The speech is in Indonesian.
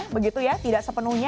begitu ya tidak sepenuhnya